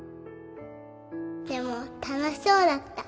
でも楽しそうだった。